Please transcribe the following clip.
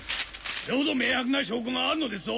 これほど明白な証拠があるのですぞ。